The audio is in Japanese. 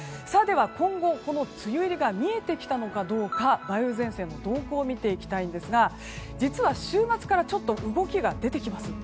今後、梅雨入りが見えてきたのかどうか梅雨前線の動向を見ていきますが実は、週末からちょっと動きが出てきます。